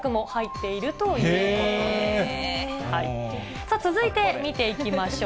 さあ、続いて見ていきましょう。